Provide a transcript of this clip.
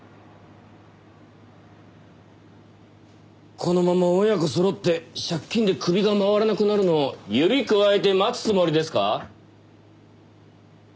このまま親子そろって借金で首が回らなくなるのを指くわえて待つつもりですか？